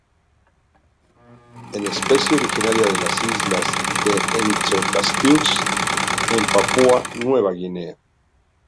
Es especie originaria de las Islas d’Entrecasteaux en Papúa Nueva Guinea.